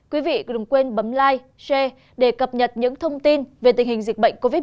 quý vị đừng quên bấm line c để cập nhật những thông tin về tình hình dịch bệnh covid một mươi chín